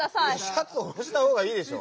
シャツ下ろしたほうがいいでしょ。